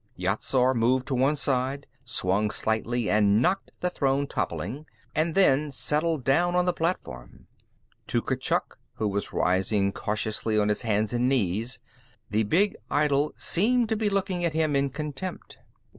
Yat Zar moved to one side, swung slightly and knocked the throne toppling, and then settled down on the platform. To Kurchuk, who was rising cautiously on his hands and knees, the big idol seemed to be looking at him in contempt.